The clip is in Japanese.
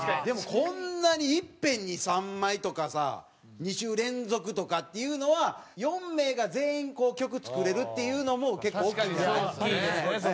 でもこんなにいっぺんに３枚とかさ２週連続とかっていうのは４名が全員曲作れるっていうのも結構大きいんじゃないですか？